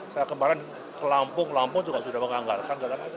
saya kemarin ke lampung lampung juga sudah menganggarkan